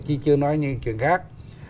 chứ chưa nói những chuyện khác